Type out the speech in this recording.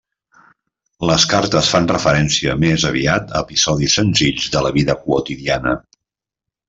Les cartes fan referència més aviat a episodis senzills de la vida quotidiana.